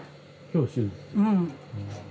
うん。